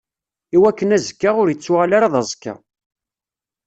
Iwakken azekka ur ittuɣal ara d aẓekka.